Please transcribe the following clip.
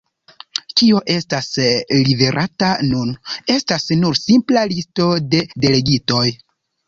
Kio estas liverata nun, estas nur simpla listo de delegitoj.